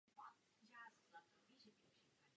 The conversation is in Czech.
Nohy jsou relativně krátké.